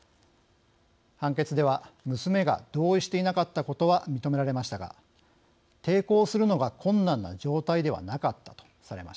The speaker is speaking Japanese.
判決では娘が同意していなかったことは認められましたが抵抗するのが困難な状態ではなかったとされました。